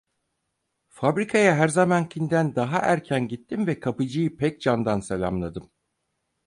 Fabrikaya her zamankinden daha erken gittim ve kapıcıyı pek candan selamladım.